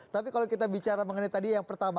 tapi kalau kita bicara mengenai tadi yang pertama